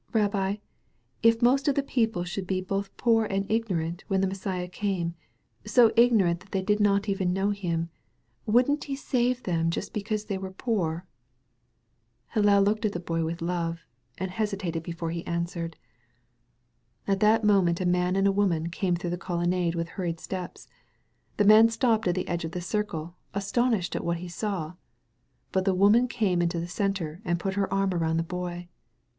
"Rabbi, if most of the people should be both poor and ignorant when the Messiah came, so ignorant that they did not even know Him, wouldn't He save them just because they were poor?" Hillel looked at the Boy with love, and hesitated before he answered. THE VALLEY OF VISION At that moment a man and a woman came through the colonnade with hurried steps. The man sU^ped at the edge of the dtde, astonished at what he saw. But the woman came into the centre and put her arm around the Boy.